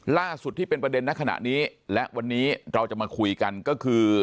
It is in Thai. ล่าสุดที่เป็นประเด็นในขณะนี้และวันนี้เราจะมาคุยกันก็คือ